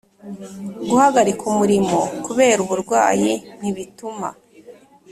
Guhagarika umurimo kubera uburwayi ntibituma